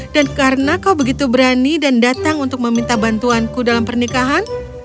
dan karena kau begitu berani dan datang untuk meminta bantuanku dalam pernikahan